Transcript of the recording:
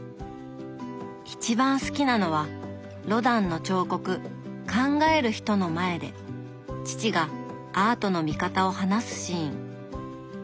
一番好きなのはロダンの彫刻「考える人」の前で父がアートの見方を話すシーン。